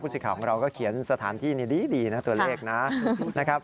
สิทธิ์ของเราก็เขียนสถานที่นี่ดีนะตัวเลขนะครับ